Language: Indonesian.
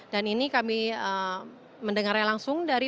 dan ini kami mendengarnya langsung dari